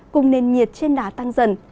cùng nền nhiệt trên đá tăng dần